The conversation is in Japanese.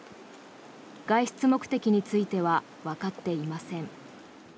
外出目的についてはわかっていません。